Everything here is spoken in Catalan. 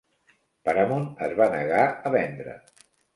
Paramount es va negar a vendre.